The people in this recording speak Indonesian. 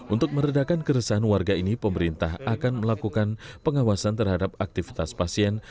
untuk meredakan keresahan warga ini pemerintah akan melakukan pengawasan terhadap aktivitas pasien